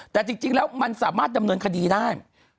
แต่จริงแล้วมันสามารถดำเนินคดีได้